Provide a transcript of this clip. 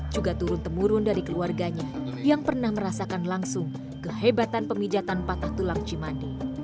juga turun temurun dari keluarganya yang pernah merasakan langsung kehebatan pemijatan patah tulang cimandi